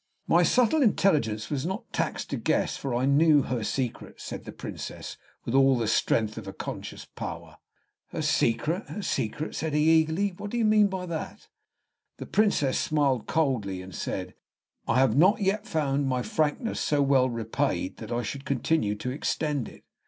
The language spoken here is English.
"My subtle intelligence was not taxed to guess, for I knew her secret," said the Princess, with all the strength of conscious power. "Her secret her secret!" said he, eagerly. "What do you mean by that?" The Princess smiled coldly, and said, "I have not yet found my frankness so well repaid that I should continue to extend it."